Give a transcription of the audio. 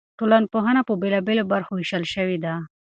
ټولنپوهنه په بېلابېلو برخو ویشل شوې ده.